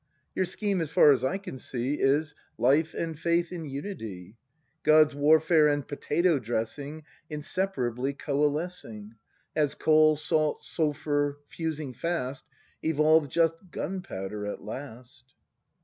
Your scheme, as far as I can see, Is: Life and Faith in unity, — God's warfare and potato dressing Inseparably coalescing. As coal, salt, sulphur, fusing fast. Evolve just gunpowder at last.